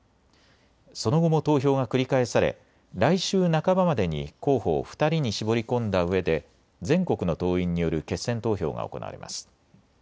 その後も投票が繰り返され来週半ばまでに候補を２人に絞り込んだうえで全国の党員による決選投票が行われます。